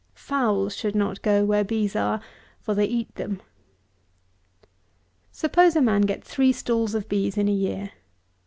Fowls should not go where bees are, for they eat them. 166. Suppose a man get three stalls of bees in a year.